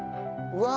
うわ！